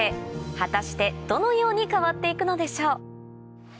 果たしてどのように変わっていくのでしょう